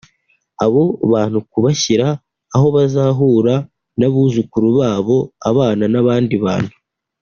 Abo bantu kubashyira aho bazahura n’abuzukuru babo abana n’abandi bantu